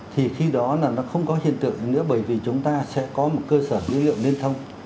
thì khi đó là nó không có hiện tượng nữa bởi vì chúng ta sẽ có một cơ sở dữ liệu liên thông